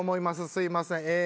すいません。